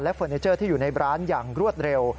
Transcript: เฟอร์นิเจอร์ที่อยู่ในร้านอย่างรวดเร็ว